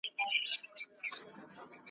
یو څو ورځي په کلا کي ورته تم سو !.